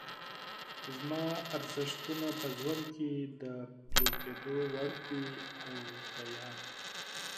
زما ارزښتونه په ژوند کې د پلي کېدو وړ دي او که نه؟